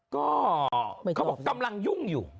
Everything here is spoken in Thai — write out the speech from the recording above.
ก็เขาบอกกำลังยุ่งอยู่